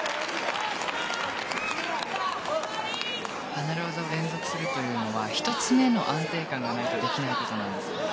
離れ技を連続するというのは１つ目の安定感がないとできないことなんですよ。